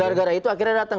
gara gara itu akhirnya datang